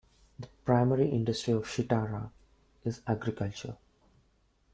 The primary industry of Shitara is agriculture.